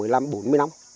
về làm muối